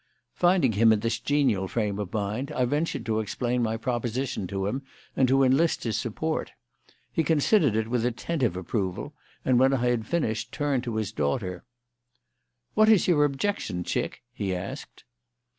Finding him in this genial frame of mind, I ventured to explain my proposition to him and to enlist his support. He considered it with attentive approval, and when I had finished turned to his daughter. "What is your objection, chick?" he asked.